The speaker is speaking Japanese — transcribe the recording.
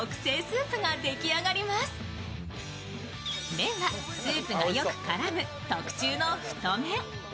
麺はスープがよく絡む特注の太麺。